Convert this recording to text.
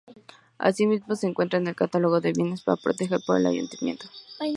Asimismo, se encuentra en el catálogo de bienes a proteger por el ayuntamiento.